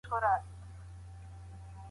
هغه د پوښتنو کولو فضا ساتله.